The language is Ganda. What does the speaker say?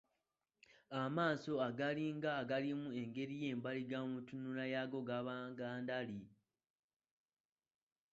Amaaso agalinga agalimu engeri y’embaliga mu ntunula yaago gaba ga ndali.